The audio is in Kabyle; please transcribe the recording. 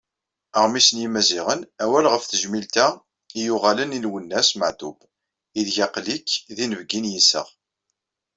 Aɣmis n Yimaziɣen: "Awal ɣef tejmilt-a i yuɣalen i Lwennas MeƐtub, ideg aql-ik d inebgi n yiseɣ".